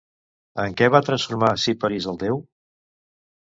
En què va transformar Ciparís el déu?